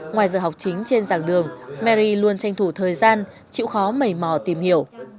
ngoài giờ học chính trên giảng đường mary luôn tranh thủ thời gian chịu khó mẩy mò tìm hiểu